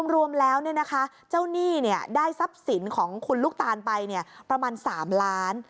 รวมแล้วเจ้าหนี้ได้ทรัพย์สินของคุณลูกตานไปประมาณ๓ล้าน